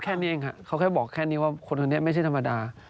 แค่นี้เองค่ะเขาแค่บอกแค่นี้ว่าคนคนนี้ไม่ใช่ธรรมดา